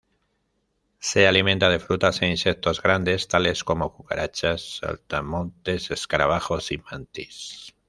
Se alimenta de frutas e insectos grandes tales como cucarachas, saltamontes, escarabajos y mantis.